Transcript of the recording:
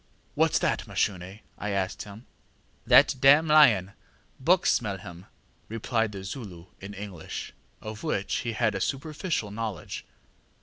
ŌĆ£ŌĆśWhatŌĆÖs that, Mashune? ŌĆÖ I asked. ŌĆ£ŌĆśThat dam lion; buck smell him, ŌĆÖ replied the Zulu in English, of which he had a very superficial knowledge.